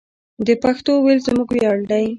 د پښتو ویل زموږ ویاړ دی.